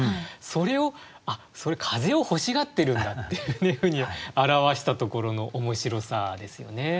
それを「風をほしがってるんだ」っていうふうに表したところの面白さですよね。